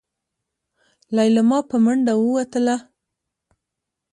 ليلما په منډه ووتله.